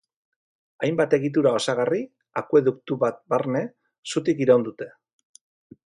Hainbat egitura osagarri, akueduktu bat barne, zutik iraun dute.